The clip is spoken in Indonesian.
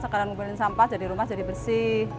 sekarang ngumpulin sampah jadi rumah jadi bersih